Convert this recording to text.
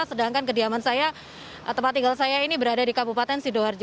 sedangkan kediaman saya tempat tinggal saya ini berada di kabupaten sidoarjo